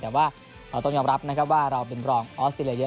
แต่ว่าเราต้องยอมรับนะครับว่าเราเป็นรองออสเตรเลียเยอะ